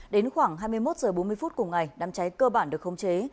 đến khoảng hai mươi một h bốn mươi phút cùng ngày đám chai cơ bản được không chế